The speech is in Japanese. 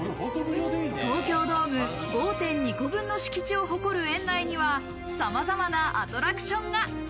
東京ドーム５．２個分の敷地を誇る園内にはさまざまなアトラクションが。